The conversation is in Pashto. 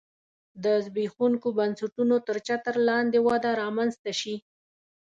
د زبېښونکو بنسټونو تر چتر لاندې وده رامنځته شي